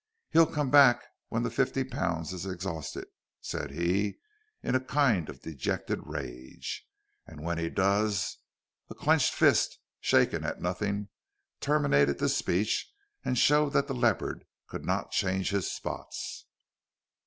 "He'll come back when the fifty pounds is exhausted," said he in a kind of dejected rage, "and when he does " A clenched fist shaken at nothing terminated the speech and showed that the leopard could not change his spots.